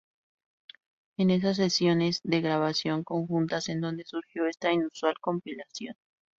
Es en esas sesiones de grabación conjuntas en dónde surgió esta inusual compilación.